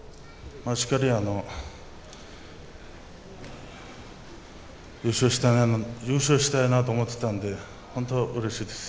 しっかり優勝したいなと思っていたので本当、うれしいです。